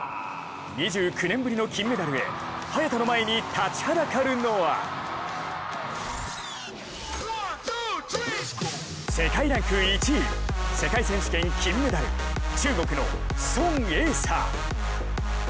２９年ぶりの金メダルへ早田の前に立ちはだかるのは世界ランク１位世界選手権金メダル、中国の孫エイ莎。